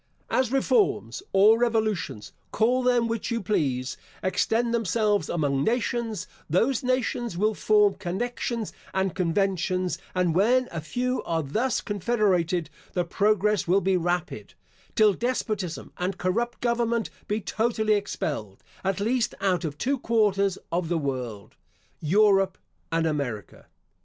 * As reforms, or revolutions, call them which you please, extend themselves among nations, those nations will form connections and conventions, and when a few are thus confederated, the progress will be rapid, till despotism and corrupt government be totally expelled, at least out of two quarters of the world, Europe and America.